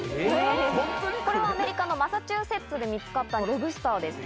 これはアメリカのマサチューセッツで見つかったロブスターです。